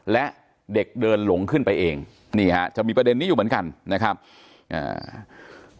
และเด็กเดินหลงขึ้นไปเองนี่ฮะจะมีประเด็นนี้อยู่เหมือนกันนะครับอ่า